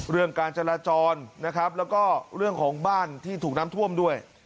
การจราจรนะครับแล้วก็เรื่องของบ้านที่ถูกน้ำท่วมด้วย